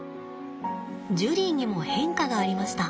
ジュリーにも変化がありました。